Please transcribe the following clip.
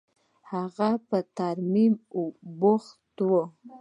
هغه په ترميم بوخت و.